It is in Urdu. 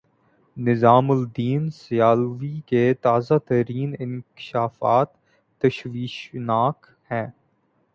نظام الدین سیالوی کے تازہ ترین انکشافات تشویشناک ہیں۔